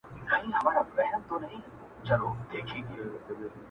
پرون یې شپه وه نن یې شپه ده ورځ په خوا نه لري!!